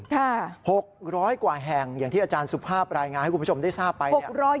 ๖๐๐กว่าแห่งอย่างที่อาจารย์สุภาพรายงานให้คุณผู้ชมได้ทราบไปเนี่ย